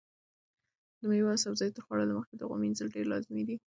د مېوې او سبزیو تر خوړلو مخکې د هغو مینځل ډېر لازمي دي.